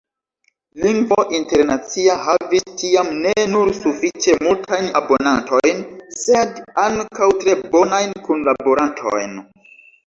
"Lingvo Internacia" havis tiam ne nur sufiĉe multajn abonantojn, sed ankaŭ tre bonajn kunlaborantojn.